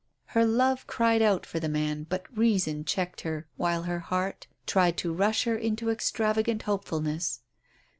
Her love cried out for the man, but reason checked her while her heart tried to rush her into extravagant hopefulness.